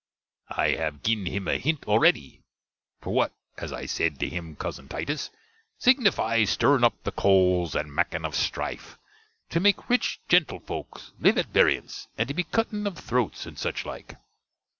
I have gin him a hint already: for what, as I sed to him, cuzzen Titus, signifies stirring up the coles and macking of strife, to make rich gentilfolkes live at varience, and to be cutting of throtes, and such like?